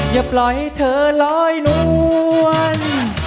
อย่าปล่อยเธอลอยนวล